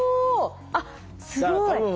あっすごい。